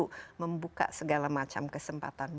yang justru membuka segala macam kesempatan